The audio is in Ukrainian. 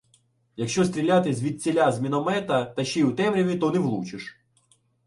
— Якщо стріляти звідціля з міномета, та ще й у темряві, то не влучиш.